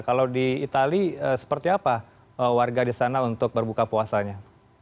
kalau di itali seperti apa warga di sana untuk berbuka puasanya